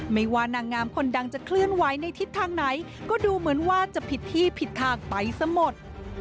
ไม่ว่านางงามคนดังจะเคลื่อนไหวในทิศทางไหนก็ดูเหมือนว่าจะผิดที่ผิดทางไปซะหมด